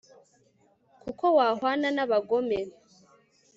kuko wahwana n'abagome